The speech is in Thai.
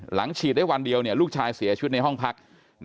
ฉีดได้วันเดียวลูกชายเสียชีวิตในห้องพัก